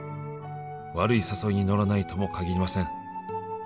「悪い誘いに乗らないとも限りません」